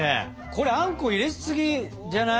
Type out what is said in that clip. これあんこ入れすぎじゃない？